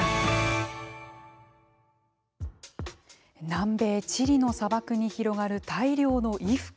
南米チリの砂漠に広がる大量の衣服。